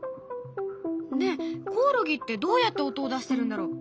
ねえコオロギってどうやって音を出してるんだろう？